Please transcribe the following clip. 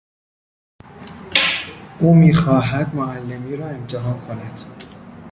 او میخواهد معلمی را امتحان کند.